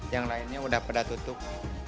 yang lainnya udah pada tutup